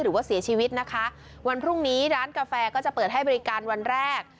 หรือว่าเสียชีวิตนะคะวันพรุ่งนี้ร้านกาแฟก็จะเปิดให้บริการวันแรก